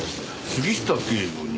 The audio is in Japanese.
杉下警部に。